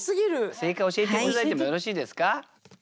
正解教えて頂いてもよろしいですか？